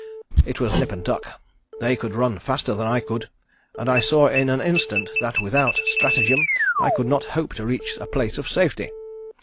It was nip and tuck. They could run faster than I could, and I saw in an instant that without stratagem I could not hope to reach a place of safety.